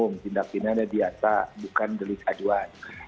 yang tindak pidana diata bukan delik aduan